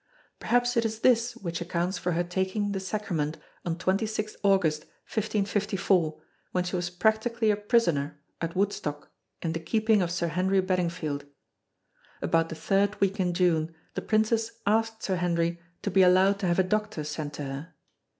Perhaps it is this which accounts for her taking the Sacrament on 26 August, 1554 when she was practically a prisoner at Woodstock in the keeping of Sir Henry Bedingfield. About the third week in June the Princess asked Sir Henry to be allowed to have a doctor sent to her.